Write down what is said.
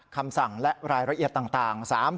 คำสั่งและรายละเอียดต่าง